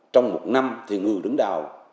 trong một năm thì người đứng đầu